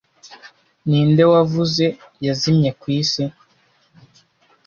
Ninde wavuze yazimye ku isi